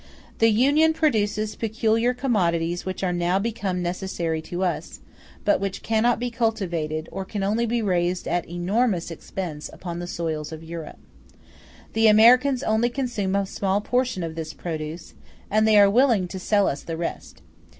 The Union produces peculiar commodities which are now become necessary to us, but which cannot be cultivated, or can only be raised at an enormous expense, upon the soil of Europe. The Americans only consume a small portion of this produce, and they are willing to sell us the rest.